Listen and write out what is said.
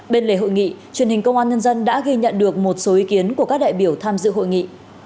bên lề hội nghị truyền hình công an nhân dân đã ghi nhận được một số ý kiến của các đại biểu tham dự hội nghị